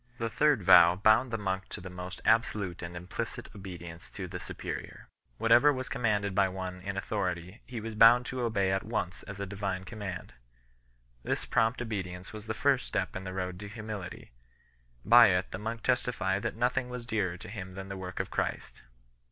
The third vow bound the monk to the most absolute and implicit obedience to the superior. Whatever was commanded by one in authority he was bound to obey at once as a Divine command. This prompt obedience was the first step in the road of humility; by it the monk testified that nothing was dearer to him than the work of Christ.